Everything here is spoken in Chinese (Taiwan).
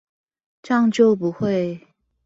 這樣就不會